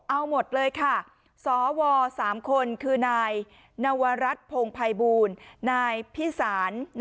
เอาหมดเลยค่ะสว๓คนคือนายนวรัฐพงภัยบูลนายพิสาร